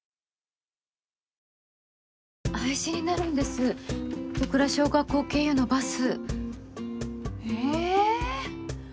廃止になるんです戸倉小学校経由のバス。